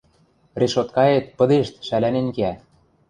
Решоткаэт пыдешт шӓлӓнен кеӓ.